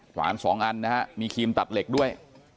ขวาน๒อันนะฮะมีครีมตัดเหล็กด้วย